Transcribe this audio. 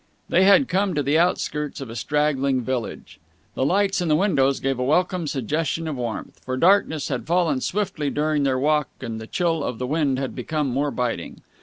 They had come to the outskirts of a straggling village. The lights in the windows gave a welcome suggestion of warmth, for darkness had fallen swiftly during their walk and the chill of the wind had become more biting.